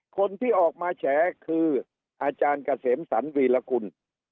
คนที่ออกมาแฉคืออาจารย์เกษมสรรวีรกุล